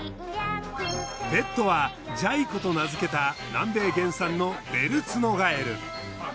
ペットはジャイ子と名づけた南米原産のベルツノガエル。